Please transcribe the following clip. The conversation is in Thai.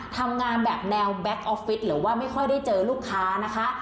ทำงานแบบแนวแบ็คออฟฟิศหรือว่าไม่ค่อยได้เจอลูกค้านะคะ